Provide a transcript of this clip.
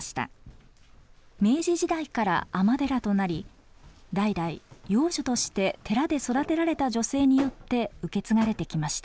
明治時代から尼寺となり代々養女として寺で育てられた女性によって受け継がれてきました。